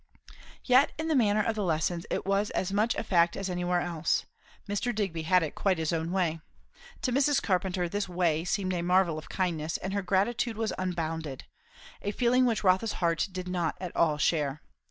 Yet in the matter of the lessons it was as much a fact as anywhere else. Mr. Digby had it quite his own way. To Mrs. Carpenter this 'way' seemed a marvel of kindness, and her gratitude was unbounded. A feeling which Rotha's heart did not at all share.